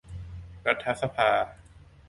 รัฐสภา